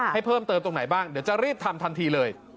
ให้เพิ่มเติมตรงไหนบ้างเดี๋ยวจะรีบทำทันทีเลย